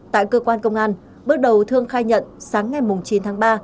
tại cơ quan công an bước đầu thương khai nhận sáng ngày chín tháng ba